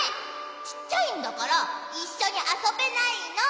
ちっちゃいんだからいっしょにあそべないの！